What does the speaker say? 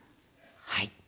はい。